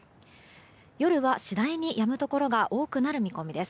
夜は次第にやむところが多くなる見込みです。